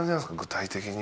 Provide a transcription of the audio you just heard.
具体的に。